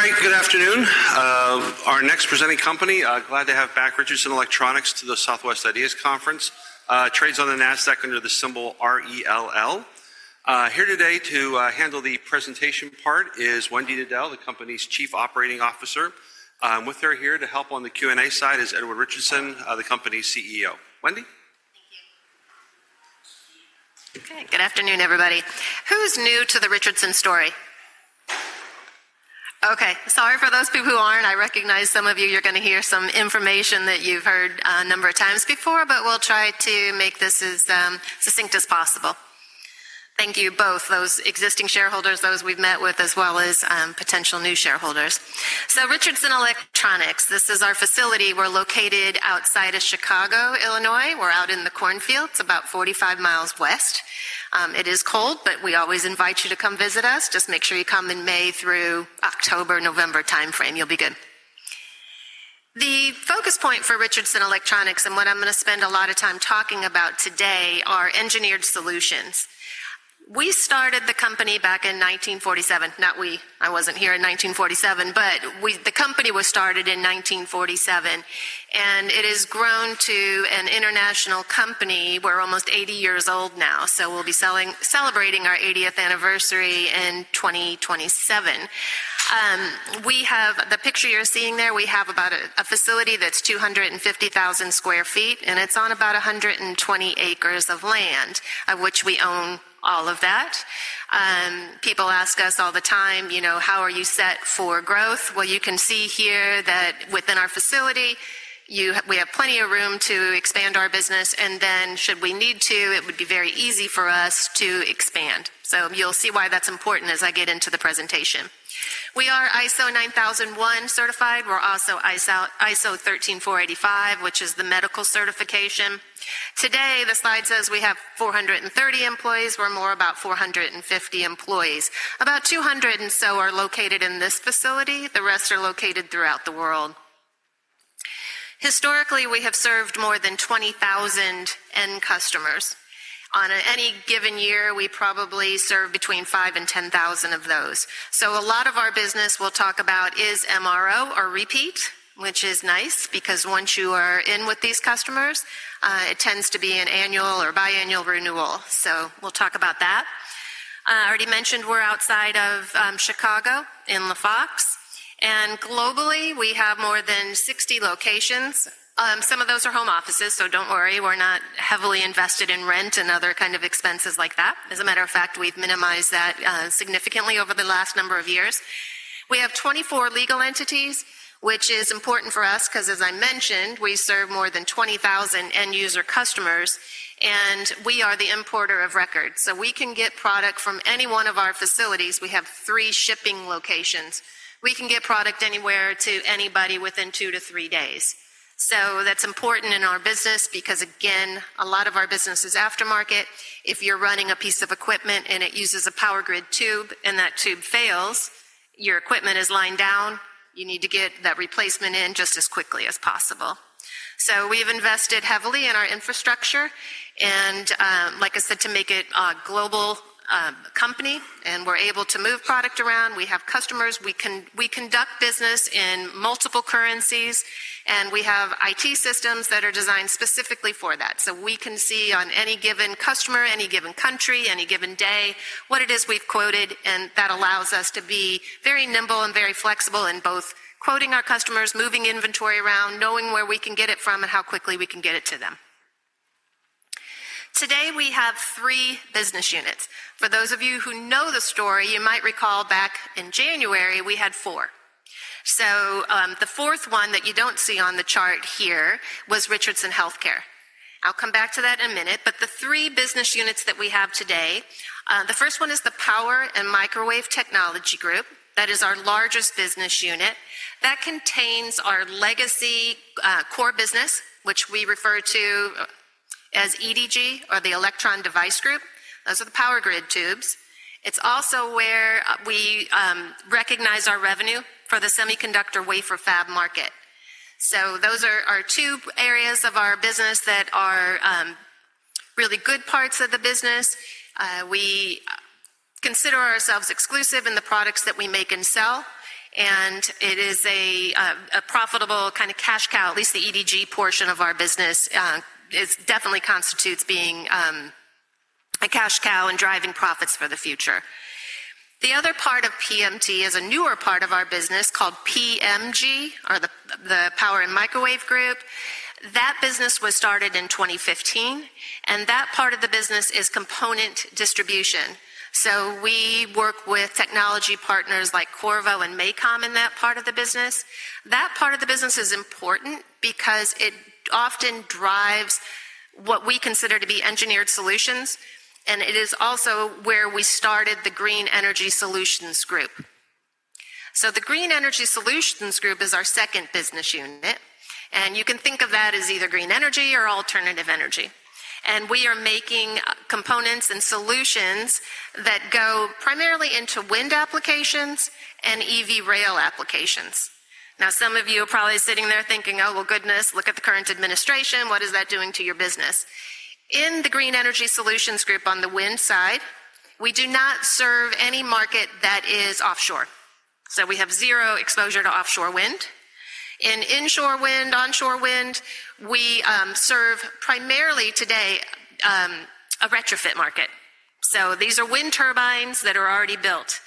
All right, good afternoon. Our next presenting company, glad to have back Richardson Electronics to the Southwest IDEAS Conference. Trades on the Nasdaq under the symbol RELL. Here today to handle the presentation part is Wendy Diddell, the company's Chief Operating Officer. With her here to help on the Q&A side is Edward Richardson, the company's CEO. Wendy? Thank you. Okay, good afternoon, everybody. Who's new to the Richardson story? Okay, sorry for those people who aren't. I recognize some of you, you're going to hear some information that you've heard a number of times before, but we'll try to make this as succinct as possible. Thank you both, those existing shareholders, those we've met with, as well as potential new shareholders. Richardson Electronics, this is our facility. We're located outside of Chicago, Illinois. We're out in the cornfield. It's about 45 miles west. It is cold, but we always invite you to come visit us. Just make sure you come in May through October, November timeframe. You'll be good. The focus point for Richardson Electronics and what I'm going to spend a lot of time talking about today are engineered solutions. We started the company back in 1947. Not we, I wasn't here in 1947, but the company was started in 1947. It has grown to an international company. We're almost 80 years old now, so we'll be celebrating our 80th anniversary in 2027. The picture you're seeing there, we have about a facility that's 250,000 sq ft, and it's on about 120 acres of land, of which we own all of that. People ask us all the time, you know, how are you set for growth? You can see here that within our facility, we have plenty of room to expand our business. Should we need to, it would be very easy for us to expand. You'll see why that's important as I get into the presentation. We are ISO 9001 certified. We're also ISO 13485, which is the medical certification. Today, the slide says we have 430 employees. We're more about 450 employees. About 200 and so are located in this facility. The rest are located throughout the world. Historically, we have served more than 20,000 end customers. On any given year, we probably serve between 5,000 and 10,000 of those. A lot of our business we'll talk about is MRO or repeat, which is nice because once you are in with these customers, it tends to be an annual or biannual renewal. We'll talk about that. I already mentioned we're outside of Chicago in LaFox. Globally, we have more than 60 locations. Some of those are home offices, so do not worry. We're not heavily invested in rent and other kinds of expenses like that. As a matter of fact, we've minimized that significantly over the last number of years. We have 24 legal entities, which is important for us because, as I mentioned, we serve more than 20,000 end user customers. We are the importer of records. We can get product from any one of our facilities. We have three shipping locations. We can get product anywhere to anybody within two to three days. That is important in our business because, again, a lot of our business is aftermarket. If you're running a piece of equipment and it uses a power grid tube and that tube fails, your equipment is lying down. You need to get that replacement in just as quickly as possible. We have invested heavily in our infrastructure, like I said, to make it a global company. We are able to move product around. We have customers. We conduct business in multiple currencies. We have IT systems that are designed specifically for that. We can see on any given customer, any given country, any given day, what it is we've quoted. That allows us to be very nimble and very flexible in both quoting our customers, moving inventory around, knowing where we can get it from, and how quickly we can get it to them. Today, we have three business units. For those of you who know the story, you might recall back in January, we had four. The fourth one that you do not see on the chart here was Richardson Healthcare. I'll come back to that in a minute. The three business units that we have today, the first one is the Power & Microwave Technology Group. That is our largest business unit. That contains our legacy core business, which we refer to as EDG or the Electron Device Group. Those are the power grid tubes. It is also where we recognize our revenue for the semiconductor wafer fab market. Those are our two areas of our business that are really good parts of the business. We consider ourselves exclusive in the products that we make and sell. It is a profitable kind of cash cow. At least the EDG portion of our business definitely constitutes being a cash cow and driving profits for the future. The other part of PMT is a newer part of our business called PMG or the Power & Microwave Group. That business was started in 2015. That part of the business is component distribution. We work with technology partners like Qorvo and MACOM in that part of the business. That part of the business is important because it often drives what we consider to be engineered solutions. It is also where we started the Green Energy Solutions Group. The Green Energy Solutions Group is our second business unit. You can think of that as either green energy or alternative energy. We are making components and solutions that go primarily into wind applications and EV rail applications. Now, some of you are probably sitting there thinking, "Oh, well, goodness, look at the current administration. What is that doing to your business?" In the Green Energy Solutions Group on the wind side, we do not serve any market that is offshore. We have zero exposure to offshore wind. In inshore wind, onshore wind, we serve primarily today a retrofit market. These are wind turbines that are already built.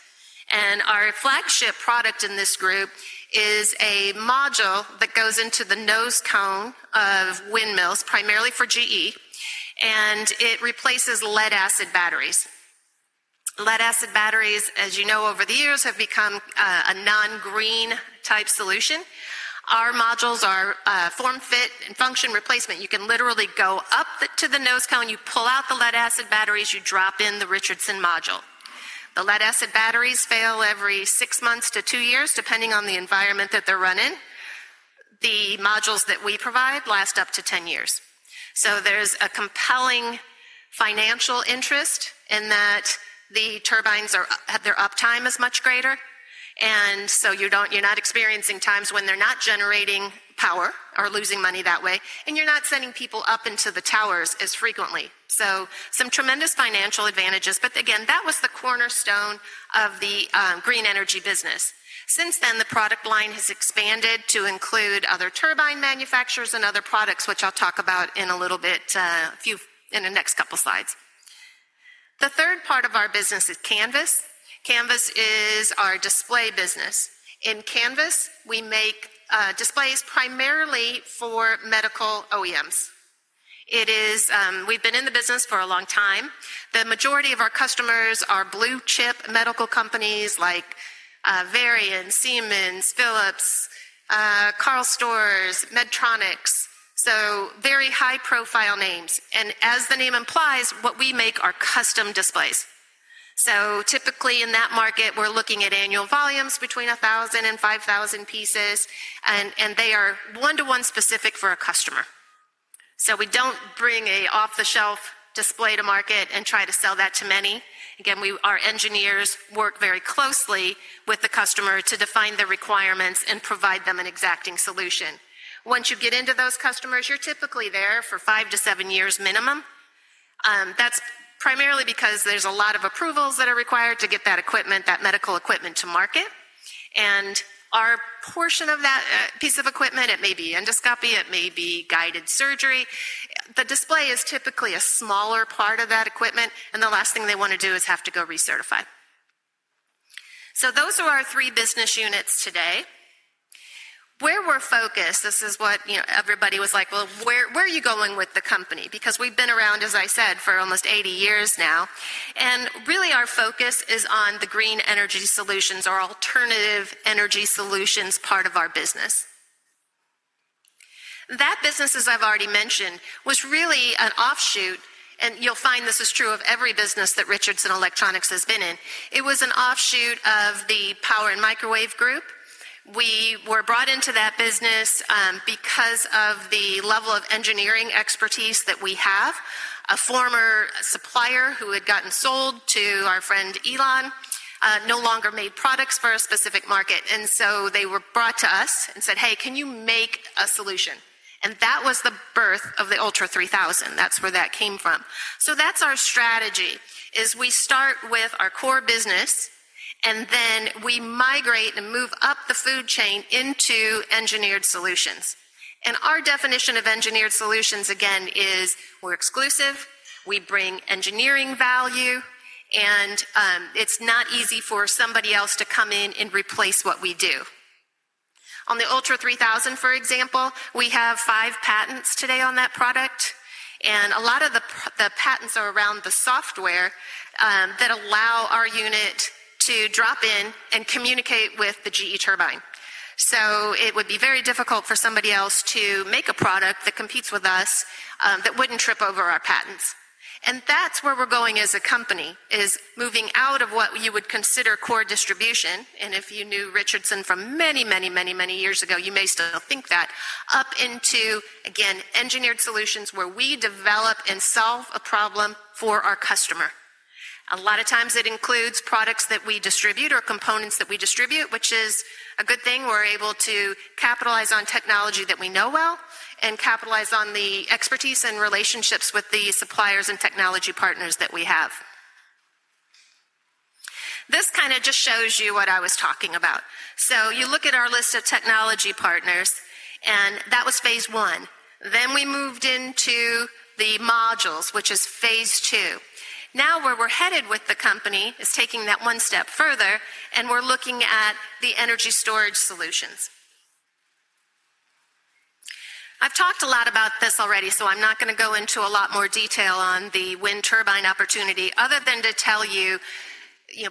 Our flagship product in this group is a module that goes into the nose cone of windmills, primarily for GE. It replaces lead-acid batteries. Lead-acid batteries, as you know, over the years have become a non-green type solution. Our modules are form fit and function replacement. You can literally go up to the nose cone, you pull out the lead-acid batteries, you drop in the Richardson module. The lead-acid batteries fail every six months to two years, depending on the environment that they're run in. The modules that we provide last up to 10 years. There is a compelling financial interest in that the turbines have their uptime as much greater. You are not experiencing times when they're not generating power or losing money that way. You are not sending people up into the towers as frequently. There are some tremendous financial advantages. That was the cornerstone of the green energy business. Since then, the product line has expanded to include other turbine manufacturers and other products, which I'll talk about in a little bit in the next couple of slides. The third part of our business is Canvas. Canvas is our display business. In Canvas, we make displays primarily for medical OEMs. We've been in the business for a long time. The majority of our customers are blue chip medical companies like Varian, Siemens, Philips, Karl Storz, Medtronic. Very high-profile names. As the name implies, what we make are custom displays. Typically in that market, we're looking at annual volumes between 1,000 and 5,000 pieces. They are one-to-one specific for a customer. We do not bring an off-the-shelf display to market and try to sell that to many. Again, our engineers work very closely with the customer to define the requirements and provide them an exacting solution. Once you get into those customers, you're typically there for five to seven years minimum. That's primarily because there's a lot of approvals that are required to get that equipment, that medical equipment to market. Our portion of that piece of equipment, it may be endoscopy, it may be guided surgery. The display is typically a smaller part of that equipment. The last thing they want to do is have to go recertify. Those are our three business units today. Where we're focused, this is what everybody was like, "Well, where are you going with the company?" Because we've been around, as I said, for almost 80 years now. Really our focus is on the green energy solutions or alternative energy solutions part of our business. That business, as I've already mentioned, was really an offshoot. You will find this is true of every business that Richardson Electronics has been in. It was an offshoot of the Power & Microwave Group. We were brought into that business because of the level of engineering expertise that we have. A former supplier who had gotten sold to our friend Elon no longer made products for a specific market. They were brought to us and said, "Hey, can you make a solution?" That was the birth of the ULTRA3000. that is where that came from. Our strategy is we start with our core business, and then we migrate and move up the food chain into engineered solutions. Our definition of engineered solutions, again, is we're exclusive, we bring engineering value, and it's not easy for somebody else to come in and replace what we do. On the ULTRA3000, for example, we have five patents today on that product. A lot of the patents are around the software that allow our unit to drop in and communicate with the GE turbine. It would be very difficult for somebody else to make a product that competes with us that would not trip over our patents. That is where we're going as a company, moving out of what you would consider core distribution. If you knew Richardson from many, many, many, many years ago, you may still think that, up into, again, engineered solutions where we develop and solve a problem for our customer. A lot of times it includes products that we distribute or components that we distribute, which is a good thing. We're able to capitalize on technology that we know well and capitalize on the expertise and relationships with the suppliers and technology partners that we have. This kind of just shows you what I was talking about. You look at our list of technology partners, and that was phase one. We moved into the modules, which is phase two. Now where we're headed with the company is taking that one step further, and we're looking at the energy storage solutions. I've talked a lot about this already, so I'm not going to go into a lot more detail on the wind turbine opportunity other than to tell you,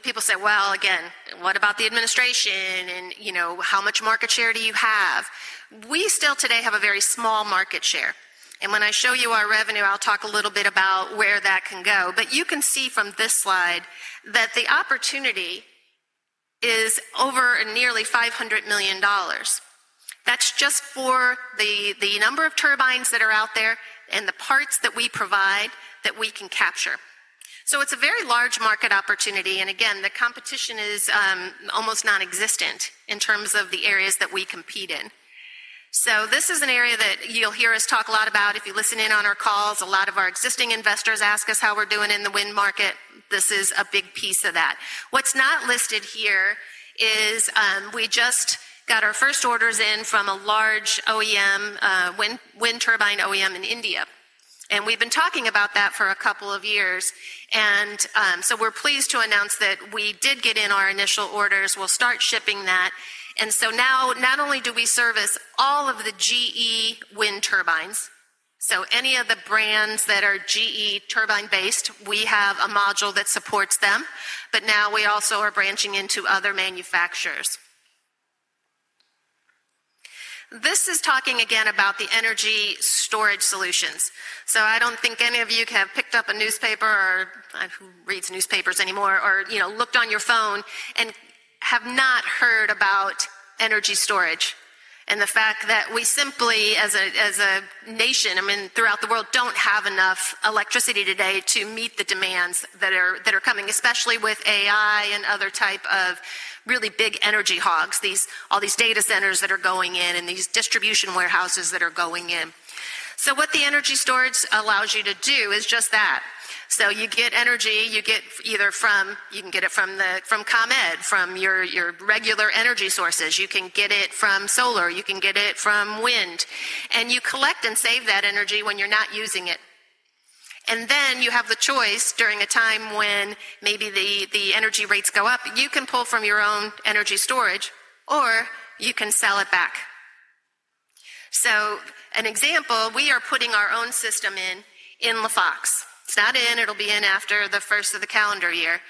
people say, "Well, again, what about the administration? How much market share do you have? We still today have a very small market share. When I show you our revenue, I'll talk a little bit about where that can go. You can see from this slide that the opportunity is over nearly $500 million. That is just for the number of turbines that are out there and the parts that we provide that we can capture. It is a very large market opportunity. The competition is almost non-existent in terms of the areas that we compete in. This is an area that you'll hear us talk a lot about. If you listen in on our calls, a lot of our existing investors ask us how we're doing in the wind market. This is a big piece of that. What's not listed here is we just got our first orders in from a large OEM, wind turbine OEM in India. We've been talking about that for a couple of years. We are pleased to announce that we did get in our initial orders. We'll start shipping that. Now not only do we service all of the GE wind turbines, so any of the brands that are GE turbine-based, we have a module that supports them. Now we also are branching into other manufacturers. This is talking again about the energy storage solutions. I don't think any of you have picked up a newspaper or who reads newspapers anymore or looked on your phone and have not heard about energy storage and the fact that we simply, as a nation, I mean, throughout the world, don't have enough electricity today to meet the demands that are coming, especially with AI and other types of really big energy hogs, all these data centers that are going in and these distribution warehouses that are going in. What the energy storage allows you to do is just that. You get energy, you get either from you can get it from ComEd, from your regular energy sources. You can get it from solar. You can get it from wind. You collect and save that energy when you're not using it. You have the choice during a time when maybe the energy rates go up, you can pull from your own energy storage or you can sell it back. For example, we are putting our own system in in the Fox. It's not in. It'll be in after the first of the calendar year.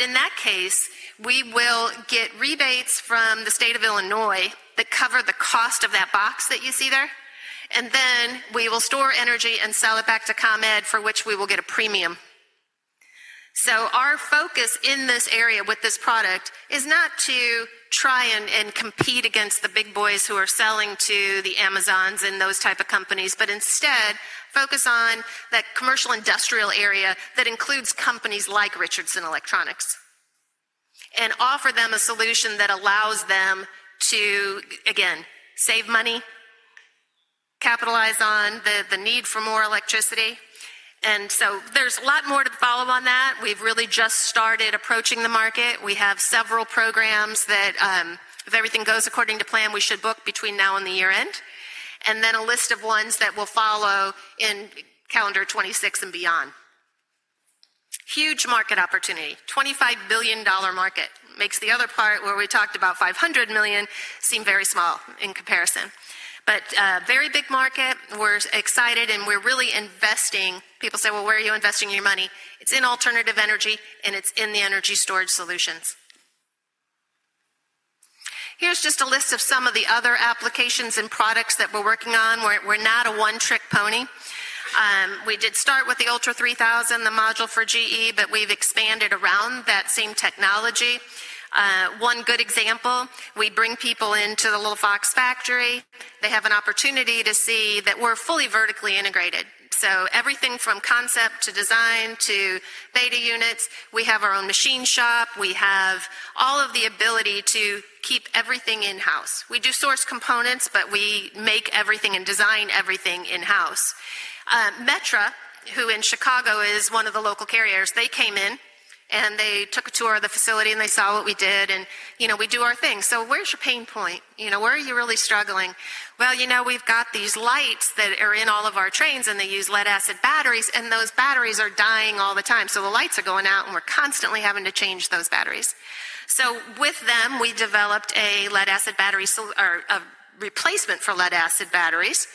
In that case, we will get rebates from the state of Illinois that cover the cost of that box that you see there. We will store energy and sell it back to ComEd, for which we will get a premium. Our focus in this area with this product is not to try and compete against the big boys who are selling to the Amazons and those types of companies, but instead focus on that commercial industrial area that includes companies like Richardson Electronics and offer them a solution that allows them to, again, save money, capitalize on the need for more electricity. There is a lot more to follow on that. We have really just started approaching the market. We have several programs that, if everything goes according to plan, we should book between now and the year end. Then a list of ones that will follow in calendar 2026 and beyond. Huge market opportunity, $25 billion market. Makes the other part where we talked about $500 million seem very small in comparison. Very big market. We are excited and we are really investing. People say, "Well, where are you investing your money?" It's in alternative energy and it's in the energy storage solutions. Here's just a list of some of the other applications and products that we're working on. We're not a one-trick pony. We did start with the ULTRA3000, the module for GE, but we've expanded around that same technology. One good example, we bring people into the LaFox factory. They have an opportunity to see that we're fully vertically integrated. Everything from concept to design to data units, we have our own machine shop. We have all of the ability to keep everything in-house. We do source components, but we make everything and design everything in-house. Metra, who in Chicago is one of the local carriers, came in and took a tour of the facility and they saw what we did. We do our thing. Where's your pain point? Where are you really struggling? We've got these lights that are in all of our trains and they use lead-acid batteries. Those batteries are dying all the time. The lights are going out and we're constantly having to change those batteries. With them, we developed a lead-acid battery or a replacement for lead-acid batteries.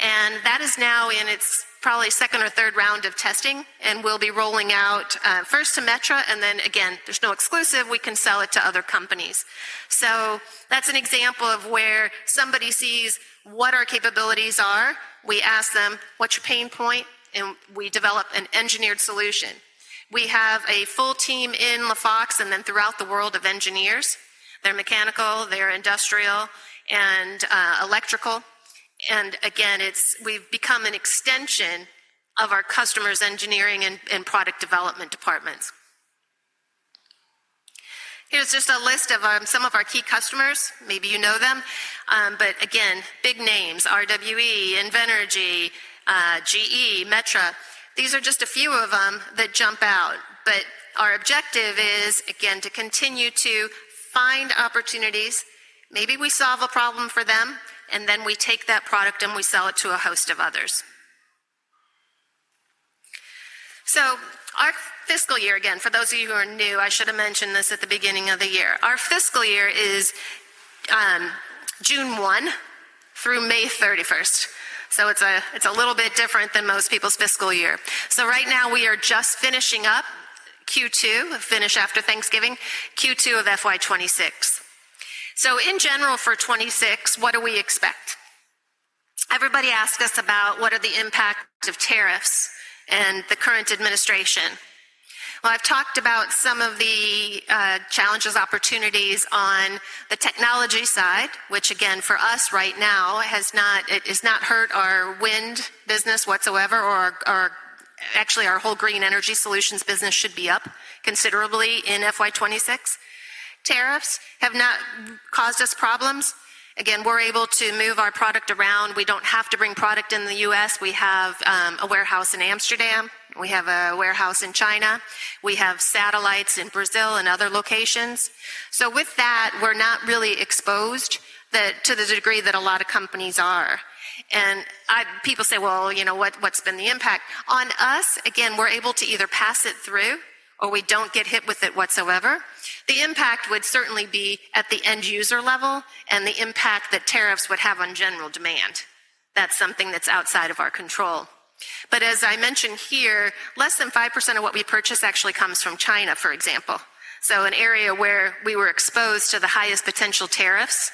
That is now in its probably second or third round of testing and we'll be rolling out first to Metra and then again, there's no exclusive. We can sell it to other companies. That's an example of where somebody sees what our capabilities are. We ask them, "What's your pain point?" and we develop an engineered solution. We have a full team in LaFox and then throughout the world of engineers. They're mechanical, they're industrial, and electrical. We have become an extension of our customers' engineering and product development departments. Here is just a list of some of our key customers. Maybe you know them. Big names, RWE, Invenergy, GE, Metra. These are just a few of them that jump out. Our objective is to continue to find opportunities. Maybe we solve a problem for them and then we take that product and we sell it to a host of others. Our fiscal year, for those of you who are new, I should have mentioned this at the beginning of the year. Our fiscal year is June 1 through May 31st. It is a little bit different than most people's fiscal year. Right now we are just finishing up Q2, finish after Thanksgiving, Q2 of FY 2026. In general for 2026, what do we expect? Everybody asks us about what are the impacts of tariffs and the current administration. I have talked about some of the challenges, opportunities on the technology side, which again, for us right now, it has not hurt our wind business whatsoever, or actually our whole Green Energy Solutions business should be up considerably in FY 2026. Tariffs have not caused us problems. Again, we are able to move our product around. We do not have to bring product in the U.S. We have a warehouse in Amsterdam. We have a warehouse in China. We have satellites in Brazil and other locations. With that, we are not really exposed to the degree that a lot of companies are. People say, "Well, what has been the impact?" On us, again, we are able to either pass it through or we do not get hit with it whatsoever. The impact would certainly be at the end user level and the impact that tariffs would have on general demand. That's something that's outside of our control. As I mentioned here, less than 5% of what we purchase actually comes from China, for example. An area where we were exposed to the highest potential tariffs,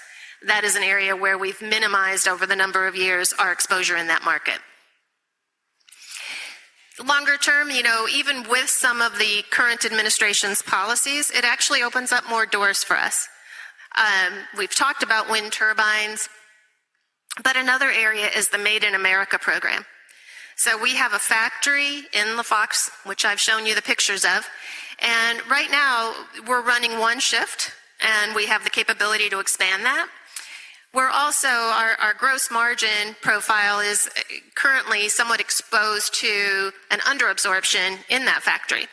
that is an area where we've minimized over the number of years our exposure in that market. Longer term, even with some of the current administration's policies, it actually opens up more doors for us. We've talked about wind turbines, another area is the Made in America program. We have a factory in LaFox, which I've shown you the pictures of. Right now we're running one shift and we have the capability to expand that. Our gross margin profile is currently somewhat exposed to an underabsorption in that factory.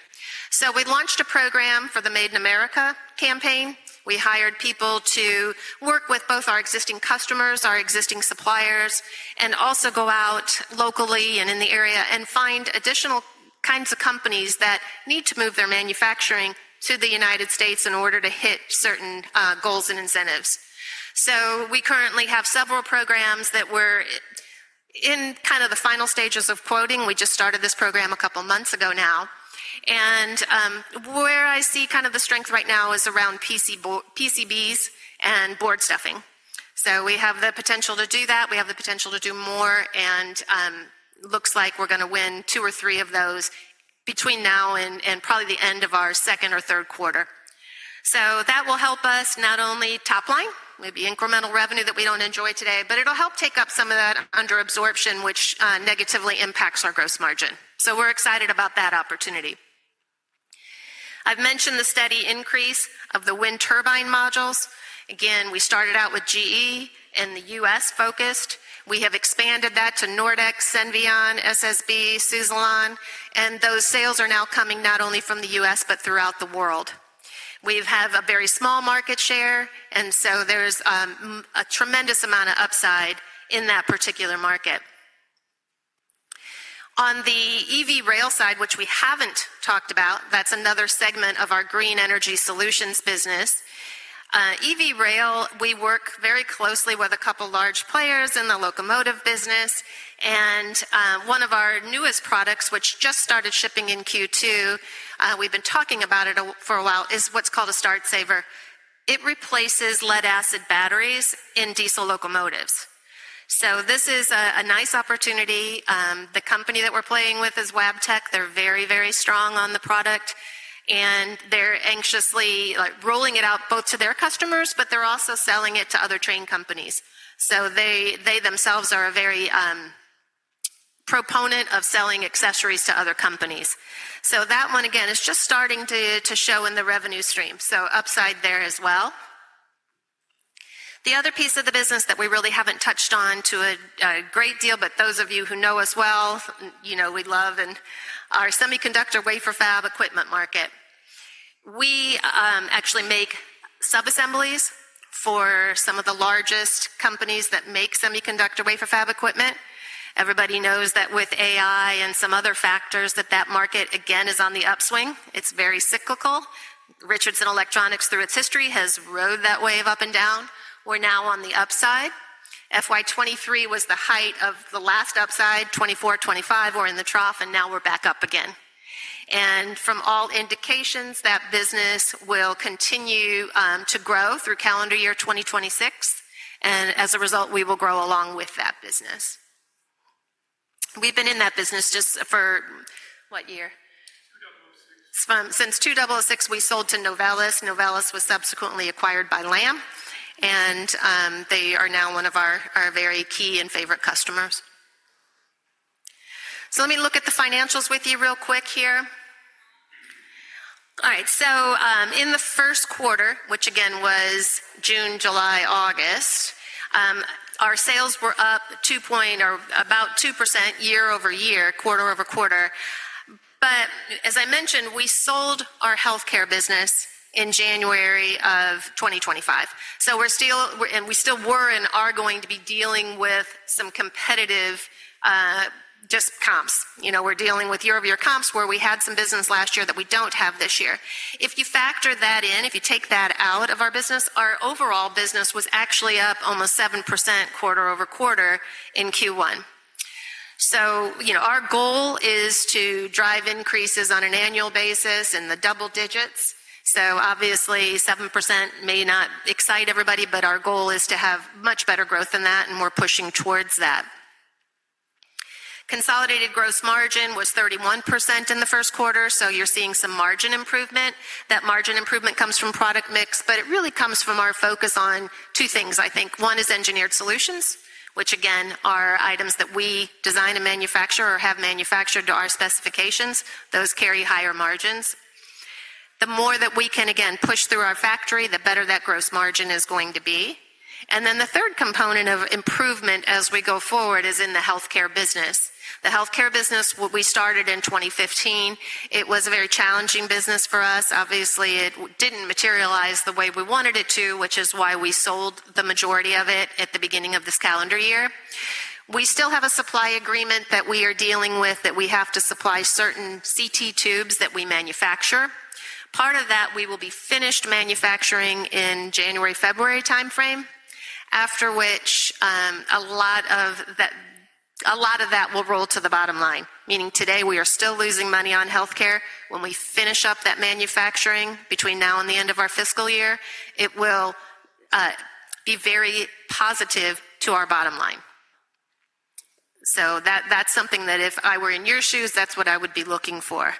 We launched a program for the Made in America campaign. We hired people to work with both our existing customers, our existing suppliers, and also go out locally and in the area and find additional kinds of companies that need to move their manufacturing to the United States in order to hit certain goals and incentives. We currently have several programs that we're in kind of the final stages of quoting. We just started this program a couple of months ago now. Where I see kind of the strength right now is around PCBs and board stuffing. We have the potential to do that. We have the potential to do more. It looks like we're going to win two or three of those between now and probably the end of our second or third quarter. That will help us not only top line, maybe incremental revenue that we do not enjoy today, but it will help take up some of that underabsorption, which negatively impacts our gross margin. We are excited about that opportunity. I have mentioned the steady increase of the wind turbine modules. Again, we started out with GE and the U.S. focused. We have expanded that to Nordex, Senvion, SSB, Suzlon, and those sales are now coming not only from the U.S., but throughout the world. We have a very small market share, and so there is a tremendous amount of upside in that particular market. On the EV rail side, which we have not talked about, that is another segment of our green energy solutions business. EV rail, we work very closely with a couple of large players in the locomotive business. One of our newest products, which just started shipping in Q2, we've been talking about it for a while, is what's called a Start Saver. It replaces lead-acid batteries in diesel locomotives. This is a nice opportunity. The company that we're playing with is Wabtec. They're very, very strong on the product. They're anxiously rolling it out both to their customers, but they're also selling it to other train companies. They themselves are a very proponent of selling accessories to other companies. That one, again, is just starting to show in the revenue stream. Upside there as well. The other piece of the business that we really haven't touched on to a great deal, but those of you who know us well, we love our semiconductor wafer fab equipment market. We actually make sub-assemblies for some of the largest companies that make semiconductor wafer fab equipment. Everybody knows that with AI and some other factors that that market, again, is on the upswing. It's very cyclical. Richardson Electronics, through its history, has rode that wave up and down. We're now on the upside. Fiscal year 2023 was the height of the last upside, 2024, 2025, we're in the trough, and now we're back up again. From all indications, that business will continue to grow through calendar year 2026. As a result, we will grow along with that business. We've been in that business just for what year? Since 2006. Since 2006, we sold to Novellus. Novellus was subsequently acquired by Lam Research, and they are now one of our very key and favorite customers. Let me look at the financials with you real quick here. All right. In the first quarter, which again was June, July, August, our sales were up about 2% year-over-year, quarter-over-quarter. As I mentioned, we sold our healthcare business in January of 2025. We still were and are going to be dealing with some competitive just comps. We're dealing with year-over-year comps where we had some business last year that we don't have this year. If you factor that in, if you take that out of our business, our overall business was actually up almost 7% quarter-over-quarter in Q1. Our goal is to drive increases on an annual basis in the double digits. Obviously, 7% may not excite everybody, but our goal is to have much better growth than that and we're pushing towards that. Consolidated gross margin was 31% in the first quarter. You're seeing some margin improvement. That margin improvement comes from product mix, but it really comes from our focus on two things, I think. One is engineered solutions, which again, are items that we design and manufacture or have manufactured to our specifications. Those carry higher margins. The more that we can, again, push through our factory, the better that gross margin is going to be. The third component of improvement as we go forward is in the healthcare business. The healthcare business, we started in 2015. It was a very challenging business for us. Obviously, it did not materialize the way we wanted it to, which is why we sold the majority of it at the beginning of this calendar year. We still have a supply agreement that we are dealing with that we have to supply certain CT tubes that we manufacture. Part of that we will be finished manufacturing in January, February timeframe, after which a lot of that will roll to the bottom line. Meaning today we are still losing money on healthcare. When we finish up that manufacturing between now and the end of our fiscal year, it will be very positive to our bottom line. That is something that if I were in your shoes, that is what I would be looking for.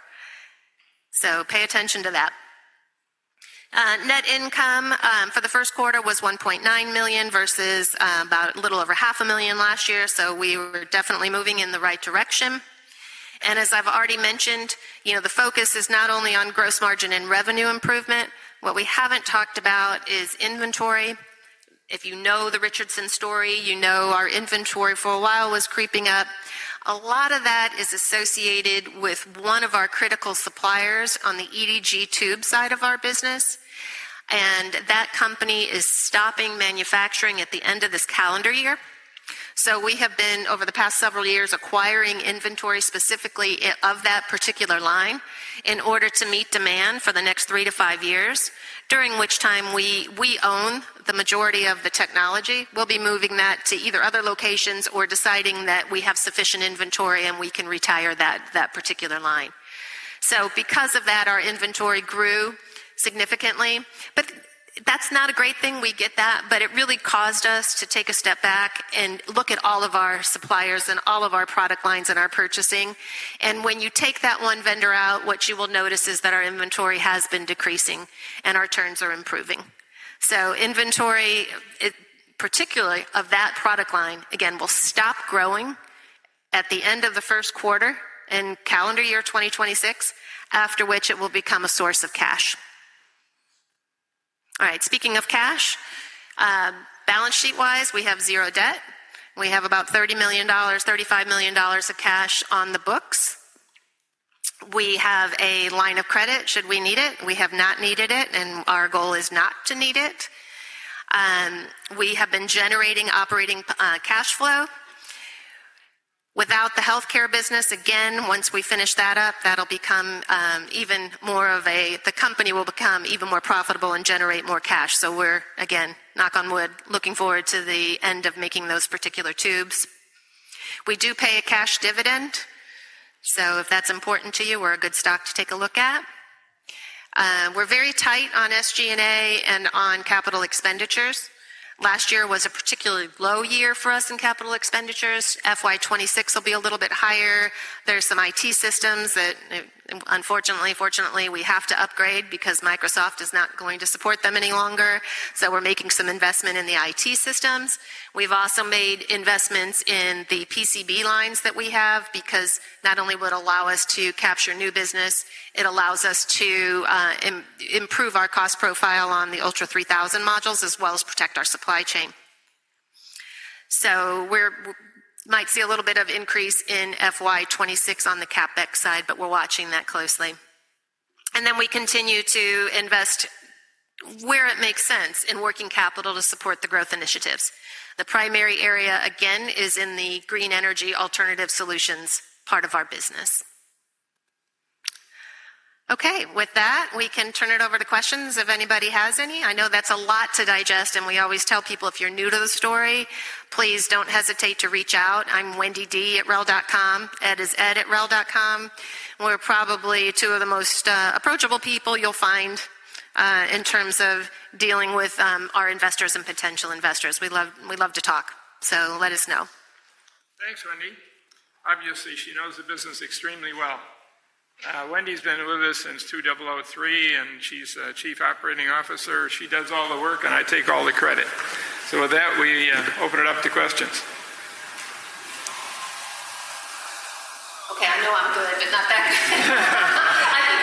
Pay attention to that. Net income for the first quarter was $1.9 million versus about a little over $500,000 last year. We were definitely moving in the right direction. As I have already mentioned, the focus is not only on gross margin and revenue improvement. What we have not talked about is inventory. If you know the Richardson story, you know our inventory for a while was creeping up. A lot of that is associated with one of our critical suppliers on the EDG tube side of our business. That company is stopping manufacturing at the end of this calendar year. We have been over the past several years acquiring inventory specifically of that particular line in order to meet demand for the next three to five years, during which time we own the majority of the technology. We will be moving that to either other locations or deciding that we have sufficient inventory and we can retire that particular line. Because of that, our inventory grew significantly. That is not a great thing. We get that, but it really caused us to take a step back and look at all of our suppliers and all of our product lines and our purchasing. When you take that one vendor out, what you will notice is that our inventory has been decreasing and our turns are improving. Inventory, particularly of that product line, again, will stop growing at the end of the first quarter in calendar year 2026, after which it will become a source of cash. All right. Speaking of cash, balance sheet-wise, we have zero debt. We have about $30 million-$35 million of cash on the books. We have a line of credit should we need it. We have not needed it, and our goal is not to need it. We have been generating operating cash flow. Without the healthcare business, again, once we finish that up, that will become even more of a, the company will become even more profitable and generate more cash. We're, again, knock on wood, looking forward to the end of making those particular tubes. We do pay a cash dividend. If that's important to you, we're a good stock to take a look at. We're very tight on SG&A and on capital expenditures. Last year was a particularly low year for us in capital expenditures. FY 2026 will be a little bit higher. There are some IT systems that, unfortunately, fortunately, we have to upgrade because Microsoft is not going to support them any longer. We're making some investment in the IT systems. We've also made investments in the PCB lines that we have because not only will it allow us to capture new business, it allows us to improve our cost profile on the ULTRA3000 modules as well as protect our supply chain. We might see a little bit of increase in FY 2026 on the CapEx side, but we're watching that closely. We continue to invest where it makes sense in working capital to support the growth initiatives. The primary area, again, is in the green energy alternative solutions part of our business. Okay. With that, we can turn it over to questions if anybody has any. I know that's a lot to digest, and we always tell people if you're new to the story, please don't hesitate to reach out. I'm Wendy D at rell.com. Ed is Ed at rell.com. We're probably two of the most approachable people you'll find in terms of dealing with our investors and potential investors. We love to talk. Let us know. Thanks, Wendy. Obviously, she knows the business extremely well. Wendy's been with us since 2003, and she's Chief Operating Officer. She does all the work, and I take all the credit. With that, we open it up to questions. Okay. I know I'm good, but not that good. I think I probably confused the heck out of everybody, and you do not even know what to ask at this point. Yeah. You made an interesting comment about the extra use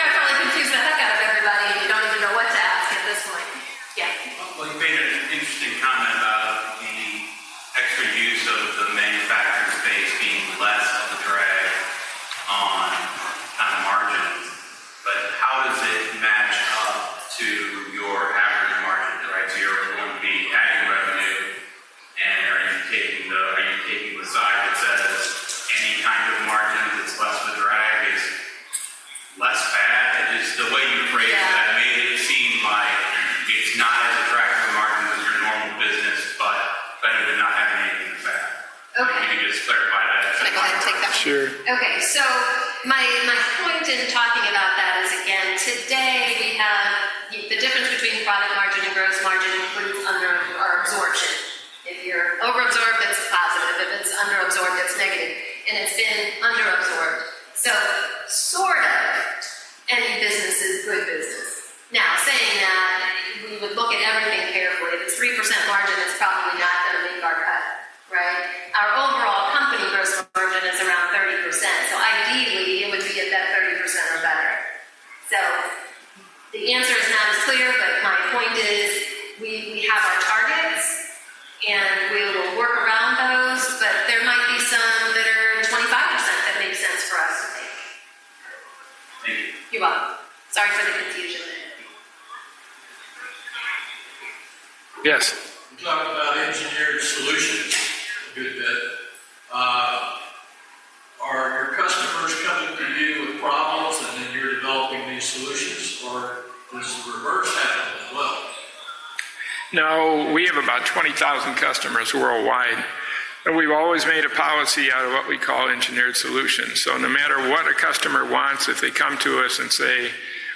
of the manufacturing space being less of a drag on margin. How does it match We have always made a policy out of what we call engineered solutions. No matter what a customer wants, if they come to us and say,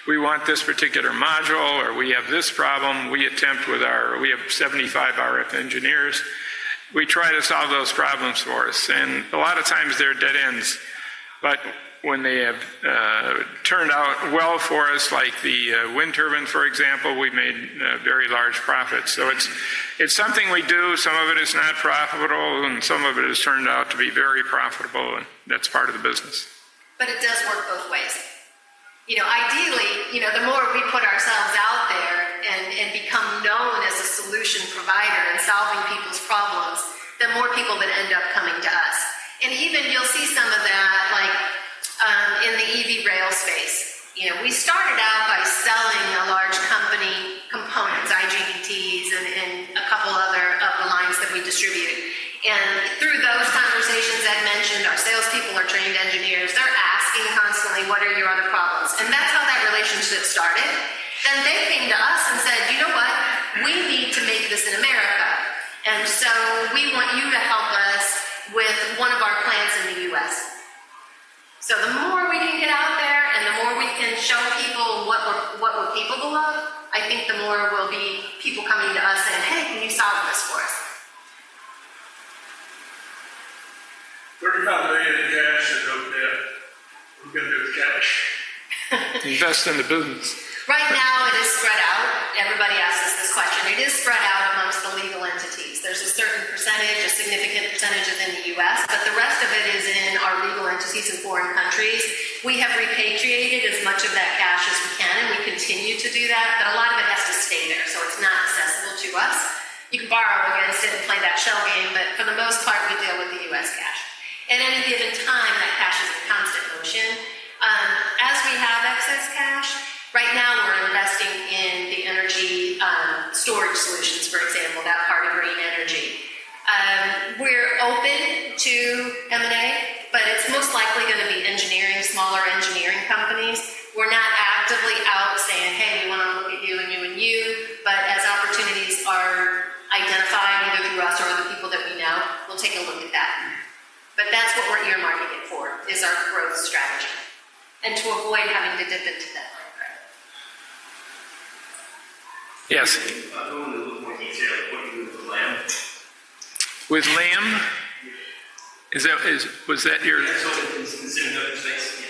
"We want this particular module," or "We have this problem," we attempt with our 75 RF engineers. We try to solve those problems for us. A lot of times they're dead ends. When they have turned out well for us, like the wind turbine, for example, we have made very large profits. It is something we do. Some of it is not profitable, and some of it has turned out to be very profitable, and that is part of the business. It does work both ways. Ideally, the more we put ourselves out there and become known as a solution provider and solving people's problems, the more people that end up coming to us. You will see some of that in the EV rail space. We started out by selling a large company components, IGBTs, and a couple of other lines that we distribute. Through those conversations I have mentioned, our salespeople are trained engineers. They are asking constantly, "What are your other problems?" That is how that relationship started. They came to us and said, "You know what? We need to make this in America. We want you to help us with one of our plants in the U.S. The more we can get out there and the more we can show people what we're capable of, I think the more there will be people coming to us saying, "Hey, can you solve this for us?" $35 million in cash is no death. Who can do the cash? Invest in the boons. Right now, it is spread out. Everybody asks us this question. It is spread out amongst the legal entities. There's a certain percentage, a significant percentage within the U.S., but the rest of it is in our legal entities in foreign countries. We have repatriated as much of that cash as we can, and we continue to do that, but a lot of it has to stay there. So it's not accessible to us. You can borrow against it and play that shell game, but for the most part, we deal with the U.S. cash. At any given time, that cash is in constant motion. As we have excess cash, right now we're investing in the energy storage solutions, for example, that part of green energy. We're open to M&A, but it's most likely going to be engineering, smaller engineering companies. We're not actively out saying, "Hey, we want to look at you and you and you," but as opportunities are identified either through us or other people that we know, we'll take a look at that. That is what we're earmarking it for, is our growth strategy. To avoid having to dip into that. Yes. I'm going to look more detailed at what you do with Lam. With Lam? Was that your? That is what we've been considering other space again.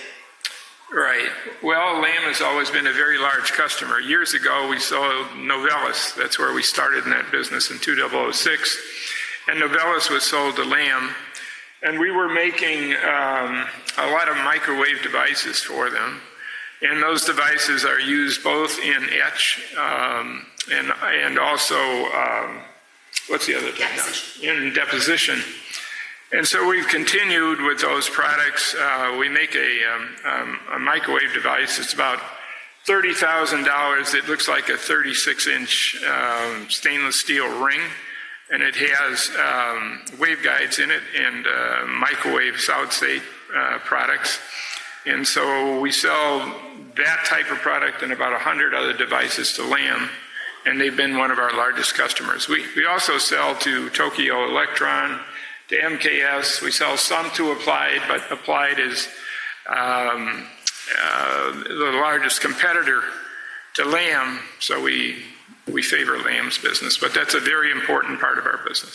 Right. Lam has always been a very large customer. Years ago, we sold Novellus. That's where we started in that business in 2006. Novellus was sold to Lam, and we were making a lot of microwave devices for them. Those devices are used both in etch and also, what's the other technology? In deposition. In deposition. We have continued with those products. We make a microwave device. It's about $30,000. It looks like a 36 in stainless steel ring, and it has wave guides in it and microwave sound state products. We sell that type of product and about 100 other devices to Lam, and they have been one of our largest customers. We also sell to Tokyo Electron, to MKS. We sell some to Applied, but Applied is the largest competitor to Lam, so we favor Lam's business. That is a very important part of our business.